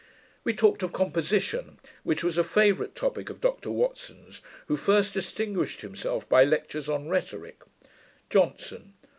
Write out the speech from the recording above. We talked of composition, which was a favourite topick of Dr Watson's, who first distinguished himself by lectures on rhetorick. JOHNSON.